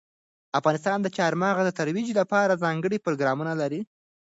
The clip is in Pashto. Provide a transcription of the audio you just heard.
افغانستان د چار مغز د ترویج لپاره ځانګړي پروګرامونه لري.